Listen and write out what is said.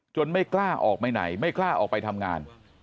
ไม่กล้าออกไปไหนไม่กล้าออกไปทำงาน